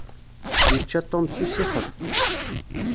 Yečča Tom s usixef.